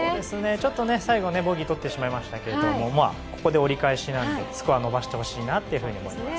ちょっと最後ボギー取ってしまいましたけどここで折り返しなのでスコアを伸ばしてほしいと思います。